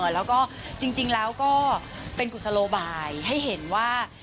แล้วก็จริงแล้วก็เป็นกุศโลบายให้เห็นว่า